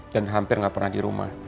dan hampir tidak pernah di rumah